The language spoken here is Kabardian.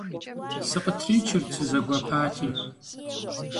Сыкъытричырт, сызэгуэпати.